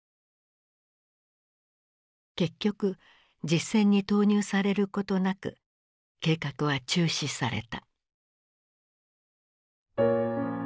結局実戦に投入されることなく計画は中止された。